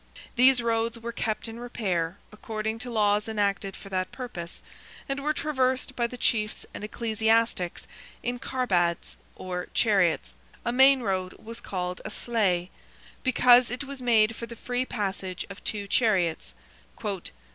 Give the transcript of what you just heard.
These roads were kept in repair, according to laws enacted for that purpose, and were traversed by the chiefs and ecclesiastics in carbads, or chariots; a main road was called a slighe (sleigh), because it was made for the free passage of two chariots—"i.